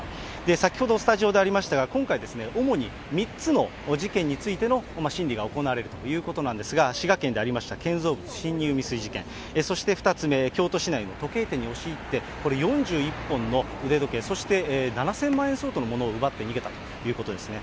先ほど、スタジオでありましたが、今回ですね、主に３つの事件についての審理が行われるということなんですが、滋賀県でありました建造物侵入未遂事件、そして２つ目、京都市内の時計店に押し入って、これ、４１本の腕時計、そして７０００万円相当のものを奪って逃げたということですね。